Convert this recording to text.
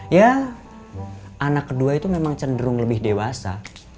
ya anak kedua itu memang cenderung lebih dewasa